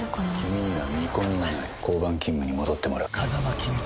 「君には見込みがない交番勤務に戻ってもらう」